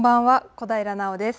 小平奈緒です。